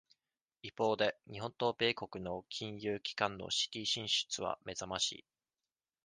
一方で、日本と米国の金融機関のシティ進出は目ざましい。